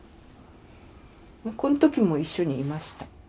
この時も一緒にいました。